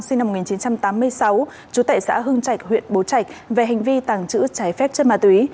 sinh năm một nghìn chín trăm tám mươi sáu chú tệ xã hưng trạch huyện bố trạch về hành vi tàng trữ trái phép chất ma túy